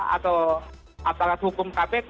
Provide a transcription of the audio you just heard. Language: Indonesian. atau atas hukum kpk